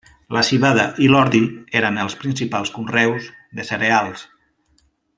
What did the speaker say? La civada i l'ordi eren els principals conreus de cereals.